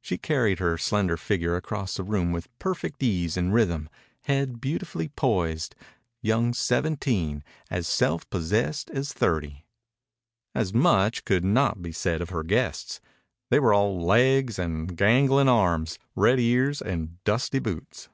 She carried her slender figure across the room with perfect ease and rhythm, head beautifully poised, young seventeen as self possessed as thirty. As much could not be said for her guests. They were all legs and gangling arms, red ears and dusty boots.